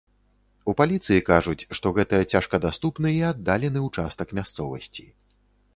У паліцыі кажуць, што гэта цяжкадаступны і аддалены ўчастак мясцовасці.